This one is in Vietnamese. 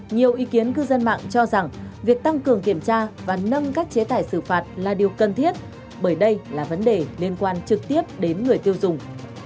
nhiều ý kiến cư dân mạng cho rằng việc tăng cường kiểm tra và nâng các chế tài xử phạt là điều cần thiết bởi đây là vấn đề liên quan trực tiếp đến người tiêu dùng